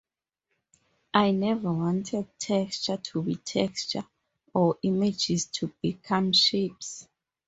I never wanted texture to be texture, or images to become shapes.